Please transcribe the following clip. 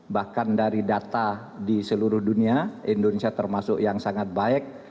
bahkan dari data di seluruh dunia indonesia termasuk yang sangat baik